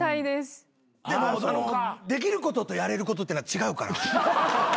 でもできることとやれることってのは違うから。